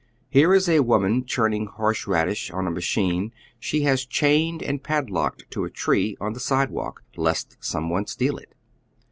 Here is a woman cliiirning horse radish on a machine she has chained and padlocked to a tree on the sidewalk, lest someone steal it.